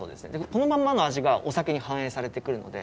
このまんまの味がお酒に反映されてくるので。